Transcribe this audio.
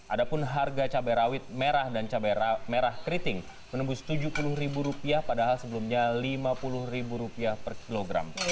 ada pun harga cabai rawit merah dan cabai merah keriting menembus rp tujuh puluh padahal sebelumnya rp lima puluh per kilogram